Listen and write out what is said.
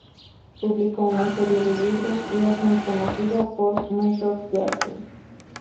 Publicó una serie de libros, y es muy conocido por "My Rock Garden".